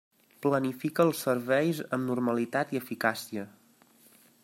Planifica els serveis amb normalitat i eficàcia.